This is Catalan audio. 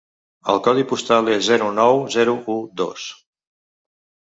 El codi postal és zero nou zero u dos.